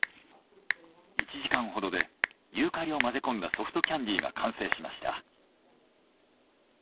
１時間ほどでユーカリを混ぜ込んだソフトキャンディーが完成しました。